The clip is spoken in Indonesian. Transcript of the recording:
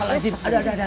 aduh maka lagi